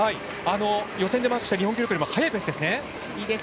予選でマークした日本記録より速いペースです。